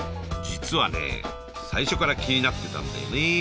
実はね最初から気になってたんだよね。